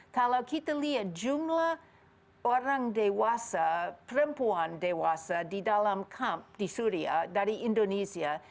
kalau kita lihat jumlah orang dewasa perempuan dewasa di dalam kamp di syria dari indonesia